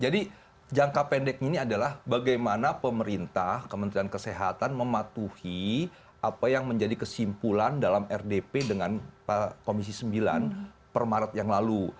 jadi jangka pendek ini adalah bagaimana pemerintah kementerian kesehatan mematuhi apa yang menjadi kesimpulan dalam rdp dengan komisi sembilan per maret yang lalu